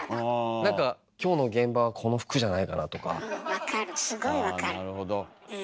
何か「今日の現場はこの服じゃないかな」とか。